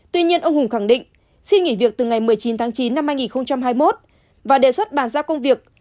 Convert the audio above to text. tuy nhiên ông hùng khẳng định xin nghỉ việc từ ngày một mươi chín tháng chín năm hai nghìn hai mươi một và đề xuất bàn giao công việc